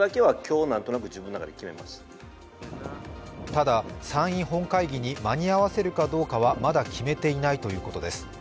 ただ、参院本会議に間に合わせるかどうかはまだ決めていないということです。